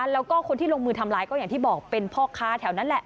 แล้วก็คนที่ลงมือทำร้ายก็อย่างที่บอกเป็นพ่อค้าแถวนั้นแหละ